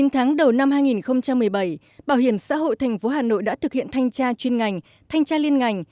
chín tháng đầu năm hai nghìn một mươi bảy bảo hiểm xã hội thành phố hà nội đã thực hiện thanh tra chuyên ngành thanh tra liên ngành